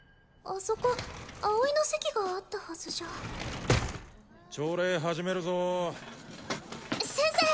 あそこ葵の席があったはずじゃ朝礼始めるぞ先生